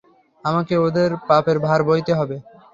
আমাকে ওদের পাপের ভার বইতে হবে!